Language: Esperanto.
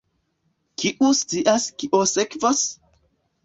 Kiu scias kio sekvos?